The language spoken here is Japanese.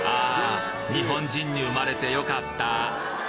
嗚呼日本人に生まれて良かった！